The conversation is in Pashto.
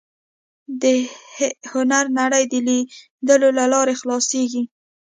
د هنر نړۍ د لیدلو له لارې خلاصېږي